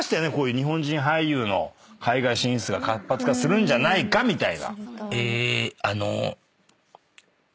日本人俳優の海外進出が活発化するんじゃないかみたいな。